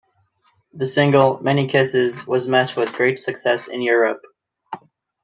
The single "Many Kisses" was met with great success in Europe.